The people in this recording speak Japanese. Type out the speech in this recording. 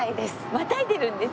またいでるんですよね？